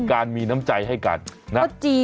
วันนี้จะเป็นวันนี้